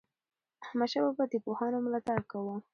احمدشاه بابا د پوهانو ملاتړ کاوه.